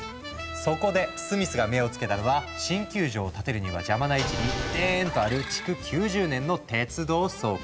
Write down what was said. そこでスミスが目を付けたのは新球場を建てるには邪魔な位置にデーンッとある築９０年の鉄道倉庫。